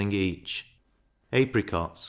each; apricots 1s.